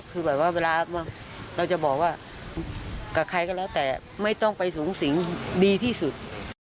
คือแบบว่าเวลาเราจะบอกว่ากับใครก็แล้วแต่ไม่ต้องไปสูงสิงดีที่สุด